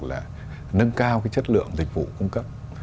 nâng cao chất lượng dịch vụ cung cấp